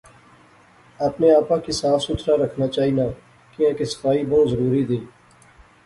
اپنے آپا کی صاف ستھرا رکھنا چاینا کیاں کے صفائی بہوں ضروری زی